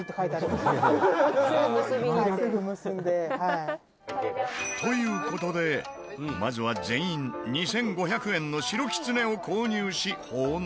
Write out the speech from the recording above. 「すぐ結んではい」という事でまずは全員２５００円の白キツネを購入し奉納。